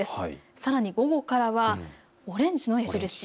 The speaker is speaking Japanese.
さらに午後からはオレンジの矢印。